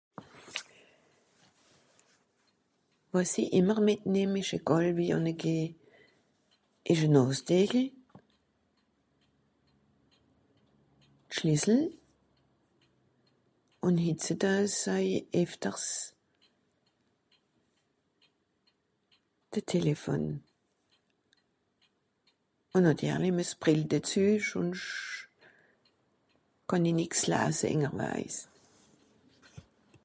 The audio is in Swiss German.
wàs'i ìmmer mìt nehm ìsch egàl wo i ànne geh esch à nòsdiechel d'schlìssel ùn hitzeudeus euj efters de téléphone ùn nàtìrli meuss d'brill dezeuch sònscht kànn'i nìx lasse ingerweise